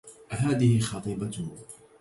هذه خطيبته